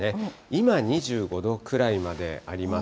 今、２５度くらいまであります。